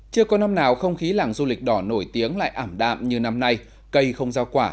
chưa có năm nào không khí làng du lịch đỏ nổi tiếng lại ảm đạm như năm nay cây không giao quả